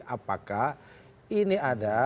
apakah ini ada